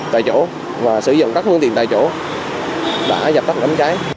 tại chỗ và sử dụng các hướng tiền tại chỗ đã giáp tắt ngắm cháy